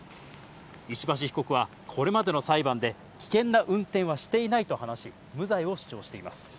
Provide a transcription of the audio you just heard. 石橋被告はこれまでの裁判で危険な運転はしていないと話し、無罪を主張しています。